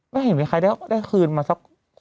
มันเห็นไบ้ใครได้คืนอะไรมาสักน้อย